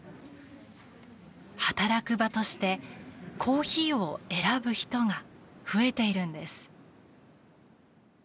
働く場としてコーヒーを選ぶ人が増えているんです。